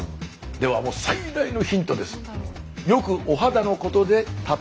では最大のヒントです。